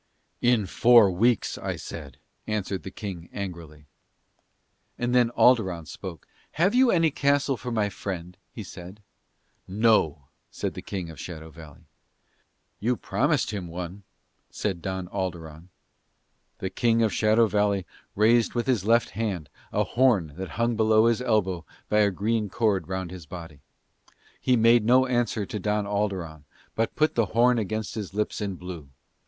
"In four weeks, I said," answered the King angrily. And then Alderon spoke. "Have you any castle for my friend?" he said. "No," said the King of Shadow Valley. "You promised him one," said Don Alderon. The King of Shadow Valley raised with his left hand a horn that hung below his elbow by a green cord round his body. He made no answer to Don Alderon, but put the horn against his lips and blew.